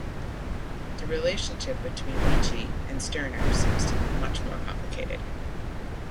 The relationship between Nietzsche and Stirner seems to be much more complicated.